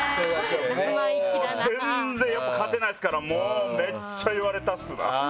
全然勝てないっすからもうめっちゃ言われたっすな。